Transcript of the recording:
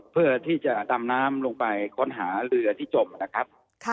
เพื่อที่จะดำน้ำลงไปค้นหาเรือที่จมนะครับ